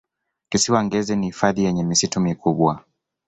kisiwa ngezi ni hifadhi yenye misitu mikubwa